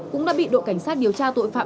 cũng đã bị đội cảnh sát điều tra tội phạm